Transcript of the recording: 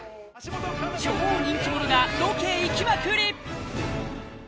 超人気者がロケへ行きまくり